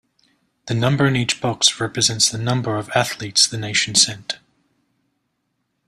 The number in each box represents the number of athletes the nation sent.